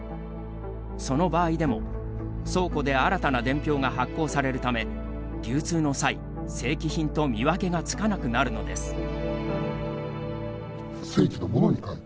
その場合でも、倉庫で新たな伝票が発行されるため流通の際、正規品と見分けがつかなくなるのです。